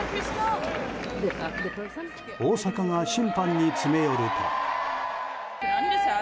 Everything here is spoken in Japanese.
大坂が審判に詰め寄り。